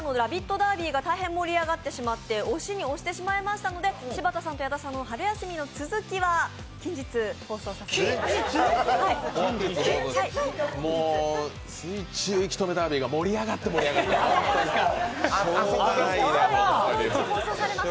ダービーが大変盛り上がってしまって、押しに押してしまいましたので、柴田さんと矢田さんの春休みの続きは、近日、放送させていただきます。